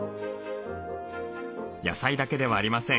野菜だけではありません。